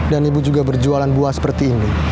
dan ibu juga berjualan buah seperti ini